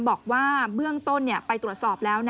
บอกว่าเบื้องต้นไปตรวจสอบแล้ว